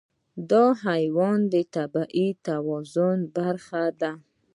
دا حیوان د طبیعي توازن برخه ده.